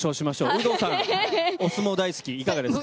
有働さん、お相撲大好き、いかがですか。